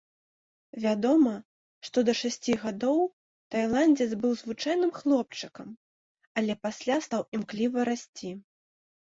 Вядома, што да шасці гадоў тайландзец быў звычайным хлопчыкам, але пасля стаў імкліва расці.